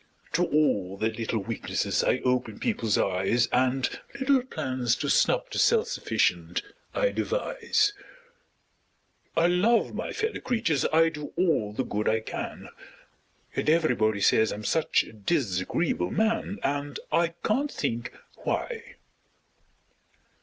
To all their little weaknesses I open people's eyes And little plans to snub the self sufficient I devise; I love my fellow creatures I do all the good I can Yet everybody say I'm such a disagreeable man! And I can't think why!